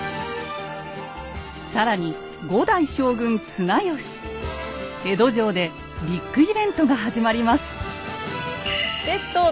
更に江戸城でビッグイベントが始まります。